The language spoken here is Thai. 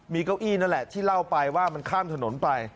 มีเก้าอี้นั่นแหละที่เล่าไปว่ามันข้ามถนนไป